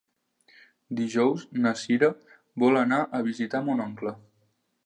Dijous na Cira vol anar a visitar mon oncle.